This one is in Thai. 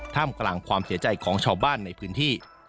กลางความเสียใจของชาวบ้านในพื้นที่